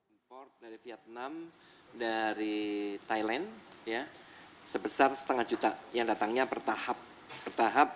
import dari vietnam dari thailand sebesar setengah juta yang datangnya bertahap